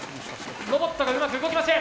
ロボットがうまく動きません。